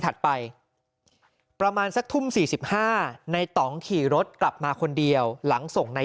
ถัดไปประมาณสักทุ่ม๔๕ในต่องขี่รถกลับมาคนเดียวหลังส่งใน